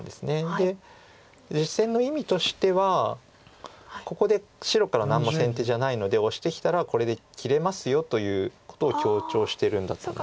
で実戦の意味としてはここで白から何も先手じゃないのでオシてきたらこれで切れますよということを強調してるんだと思います。